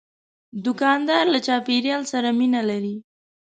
دوکاندار له چاپیریال سره مینه لري.